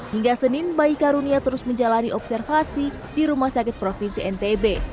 hingga senin bayi karunia terus menjalani observasi di rumah sakit provinsi ntb